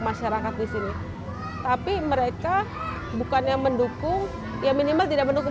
masyarakat disini tapi mereka bukannya mendukung yang minimal tidak menunggu